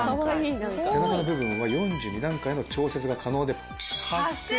背中の部分は４２段階の調節が可能で。